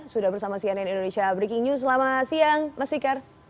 sudah bersama cnn indonesia breaking news selamat siang mas fikar